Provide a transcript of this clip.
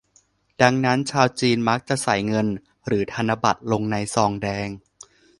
ดังนั้น ชาวจีนมักจะใส่เงิน หรือธนบัตรลงในซองแดง